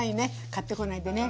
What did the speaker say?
買ってこないでね。